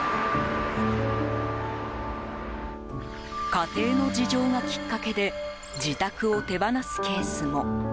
家庭の事情がきっかけで自宅を手放すケースも。